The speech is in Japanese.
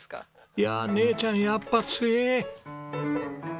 いやあ姉ちゃんやっぱ強え。